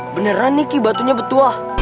beneran iki batunya betuah